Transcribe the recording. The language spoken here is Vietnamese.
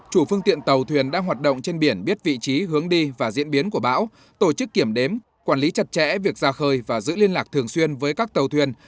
chủ phương tiện tàu thuyền đang hoạt động trên biển biết vị trí hướng đi và diễn biến của bão tổ chức kiểm đếm quản lý chặt chẽ việc ra khơi và giữ liên lạc thường xuyên với các tàu thuyền